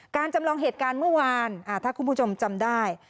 จำลองเหตุการณ์เมื่อวานถ้าคุณผู้ชมจำได้